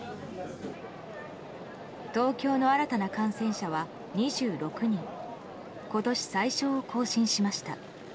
東京の新たな感染者は２６人今年最少を更新しました。